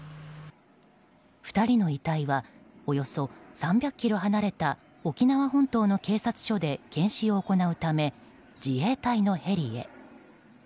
２人の遺体はおよそ３００ｋｍ離れた沖縄本島の警察署で検視を行うため自衛隊のヘリへ。